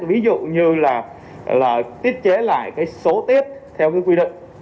ví dụ như là tiết chế lại cái số tiếp theo cái quy định